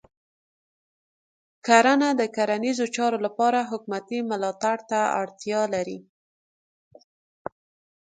کرنه د کرنیزو چارو لپاره حکومتې ملاتړ ته اړتیا لري.